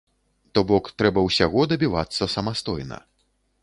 То бок трэба ўсяго дабівацца самастойна.